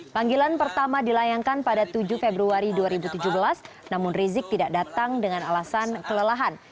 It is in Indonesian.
panggilan pertama dilayangkan pada tujuh februari dua ribu tujuh belas namun rizik tidak datang dengan alasan kelelahan